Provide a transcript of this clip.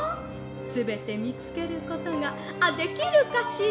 すべてみつけることがあっできるかしら？